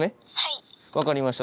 分かりました。